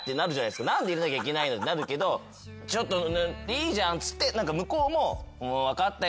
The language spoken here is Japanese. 「何で入れなきゃいけないの？」ってなるけどいいじゃんっつって向こうも「分かったよ」